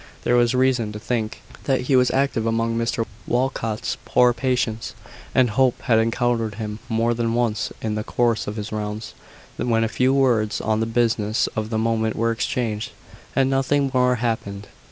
There was reason to think that he was active among Mr Walcot's poor patients; and Hope had encountered him more than once in the course of his rounds, when a few words on the business of the moment were exchanged, and nothing more happened.